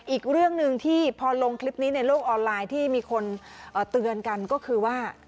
อีกเรื่องหนึ่งที่พอลงคลิปนี้ในโลกออนไลน์ที่มีคนเตือนกันก็คือว่า